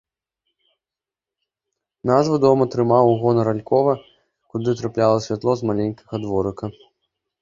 Назву дом атрымаў у гонар алькова, куды трапляла святло з маленькага дворыка.